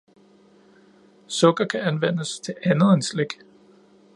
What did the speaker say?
Sukker kan anvendes til andet end slik.